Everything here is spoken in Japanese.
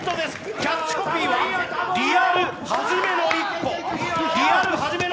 キャッチコピーは、リアル「はじめの一歩」。